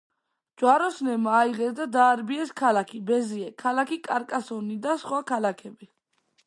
ჯვაროსნებმა აიღეს და დაარბიეს ქალაქი ბეზიე, ქალაქი კარკასონი და სხვა ქალაქები.